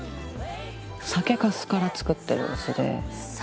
酒粕から作ってるお酢で。